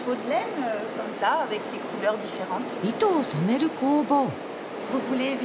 糸を染める工房。